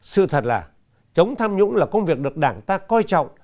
sự thật là chống tham nhũng là công việc được đảng ta coi trọng